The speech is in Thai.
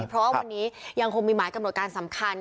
เพราะว่าวันนี้ยังคงมีหมายกำหนดการสำคัญ